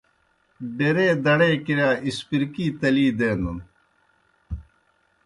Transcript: ڈیرے دَڑے کِرِیا اِسپِرکی تلی دینَن۔